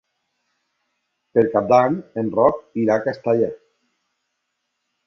Per Cap d'Any en Roc irà a Castalla.